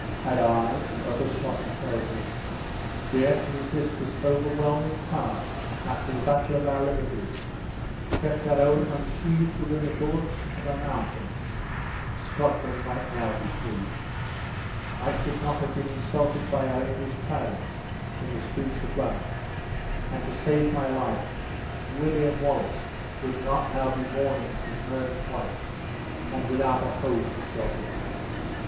Had I, and other Scottish nobles, dared to resist this overwhelming power after the battle of our liberties, kept our own unsheathed within the bulwarks of our mountains, Scotland might now be free; I should not have been insulted by our English tyrants in the streets of Lanark; and, to save my life, William Wallace would not now be mourning his murdered wife, and without a home to shelter him!"